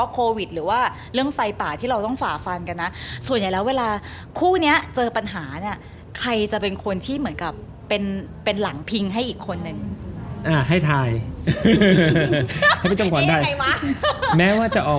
คุยกันก่อนว่าจะไปไหนจ๊ะวันนี้กลับกี่โมงจ๊ะ